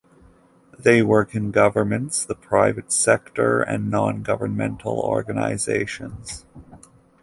They work in governments, the private sector, and in nongovernmental organizations.